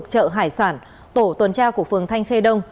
điểm trên tại gần khu vực chợ hải sản tổ tuần tra của phường thanh khê đông